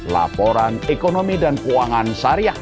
laporan ekonomi dan keuangan syariah